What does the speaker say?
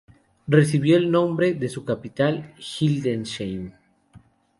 Recibió el nombre de su capital, Hildesheim.